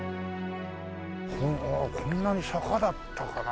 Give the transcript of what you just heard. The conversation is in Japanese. こんなに坂だったかな？